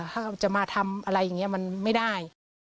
ถ้าจะมาทำอะไรอย่างนี้มันไม่ได้